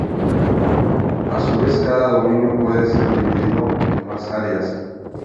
A su vez cada dominio puede ser dividido en más áreas.